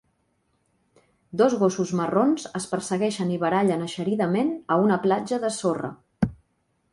Dos gossos marrons es persegueixen i barallen eixeridament a una platja de sorra.